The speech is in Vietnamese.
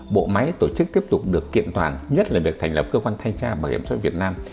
bộ máy tổ chức tiếp tục được kiện toàn nhất là việc thành lập cơ quan thanh tra bảo hiểm xã hội việt nam